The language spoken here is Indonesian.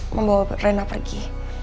membawa renah pergi